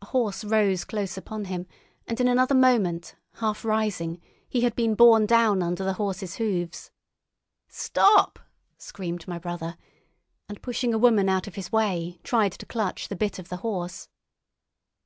A horse rose close upon him, and in another moment, half rising, he had been borne down under the horse's hoofs. "Stop!" screamed my brother, and pushing a woman out of his way, tried to clutch the bit of the horse.